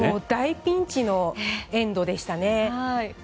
大ピンチのエンドでしたよね。